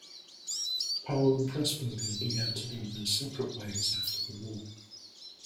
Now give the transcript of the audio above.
Powell and Pressburger began to go their separate ways after the war.